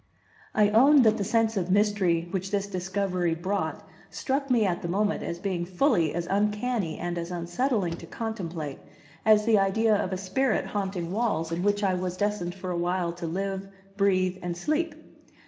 I own that the sense of mystery which this discovery brought struck me at the moment as being fully as uncanny and as unsettling to contemplate as the idea of a spirit haunting walls in which I was destined for a while to live, breathe and sleep.